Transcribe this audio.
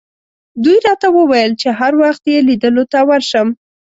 دوی راته وویل چې هر وخت یې لیدلو ته ورشم.